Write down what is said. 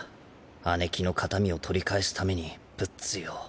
姉貴の形見を取り返すためにプッツィを。